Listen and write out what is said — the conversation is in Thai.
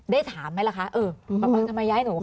ได้ถามไหมละคะเออปะปะทำไมย้ายหนูครับ